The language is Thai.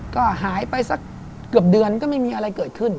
ก็หายไปสักเกือบเดือนก็ไม่มีอะไรเกิดขึ้น